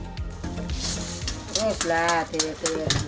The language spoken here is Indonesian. tidak ada kebukaan kok